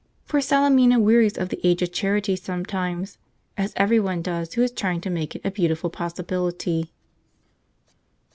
For Salemina wearies of the age of charity sometimes, as every one does who is trying to make it a beautiful possibility.